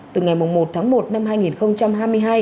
từ ngày một tháng một năm hai nghìn hai mươi hai